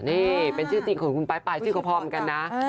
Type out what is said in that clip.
นี่เป็นชื่อจริงของคุณป้ายปลายชื่อก็พร้อมเหมือนกันนะ